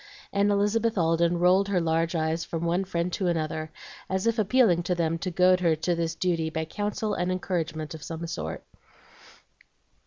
And Elizabeth Alden rolled her large eyes from one friend to another, as if appealing to them to goad her to this duty by counsel and encouragement of some sort.